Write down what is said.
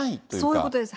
そういうことです。